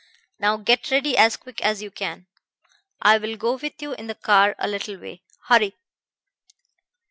Now get ready as quick as you can. I'll go with you in the car a little way. Hurry!'